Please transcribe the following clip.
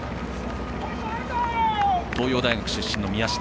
東洋大学出身の宮下。